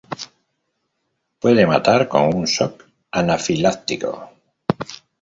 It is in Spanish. Puede matar con un "Shock anafiláctico".